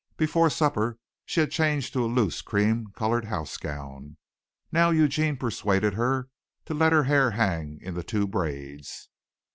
Before supper she had changed to a loose cream colored house gown. Now Eugene persuaded her to let her hair hang in the two braids.